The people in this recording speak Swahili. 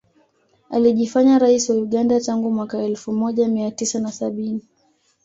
Alijifanya rais wa Uganda tangu mwaka elfu moja mia tisa na sabini